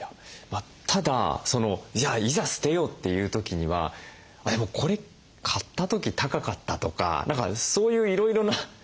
ただじゃあいざ捨てようっていう時には「でもこれ買った時高かった」とか何かそういういろいろな。